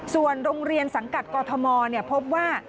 ส่วนโรงเรียนสังกัดกอทมพบว่า